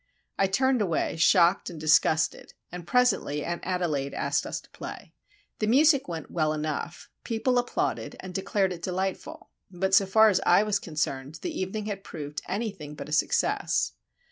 I turned away, shocked and disgusted, and presently Aunt Adelaide asked us to play. The music went well enough: people applauded, and declared it delightful; but, so far as I was concerned, the evening had proved anything but a success.